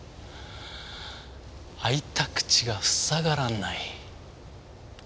開いた口がふさがらない。